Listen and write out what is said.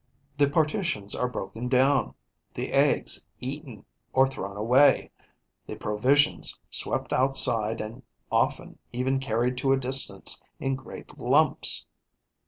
The partitions are broken down, the eggs eaten or thrown away, the provisions swept outside and often even carried to a distance in great lumps.